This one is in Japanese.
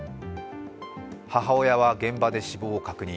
母親は現場で死亡を確認。